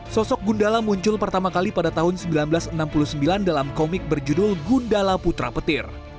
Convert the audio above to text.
sosok gundala muncul pertama kali pada tahun seribu sembilan ratus enam puluh sembilan dalam komik berjudul gundala putra petir